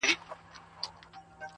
دوه یاران سره ملګري له کلونو!.